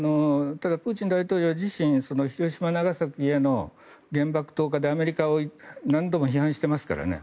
ただ、プーチン大統領自身広島、長崎への原爆投下でアメリカを何度も批判していますからね。